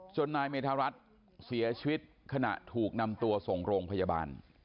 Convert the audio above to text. นายเมธารัฐเสียชีวิตขณะถูกนำตัวส่งโรงพยาบาล